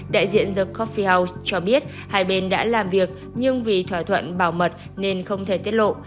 đại diện the cophealth cho biết hai bên đã làm việc nhưng vì thỏa thuận bảo mật nên không thể tiết lộ